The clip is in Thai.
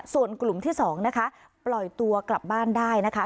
ส่วนกลุ่มที่๒นะคะปล่อยตัวกลับบ้านได้นะคะ